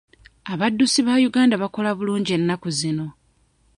Abaddusi ba Uganda bakola bulungi ennaku zino.